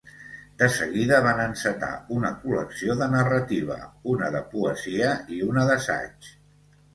De seguida van encetar una col·lecció de narrativa, una de poesia i una d’assaig.